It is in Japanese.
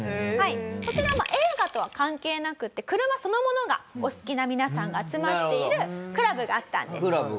こちらまあ映画とは関係なくて車そのものがお好きな皆さんが集まっているクラブがあったんです。